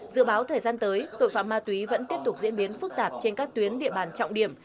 dự báo thời gian tới tội phạm ma túy vẫn tiếp tục diễn biến phức tạp trên các tuyến địa bàn trọng điểm